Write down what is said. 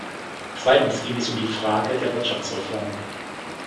Zweitens ging es um die Frage der Wirtschaftsreform.